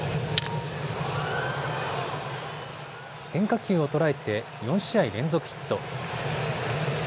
変化球を捉えて４試合連続ヒット。